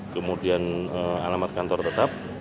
kemudian alamat kantor tetap